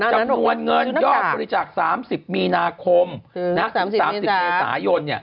จำนวนเงินยอดบริจาค๓๐มีนาคมถึง๓๐เมษายน